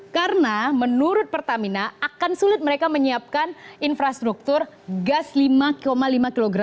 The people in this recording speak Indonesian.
karena menurut pertamina akan sulit mereka menyiapkan infrastruktur gas lima lima kg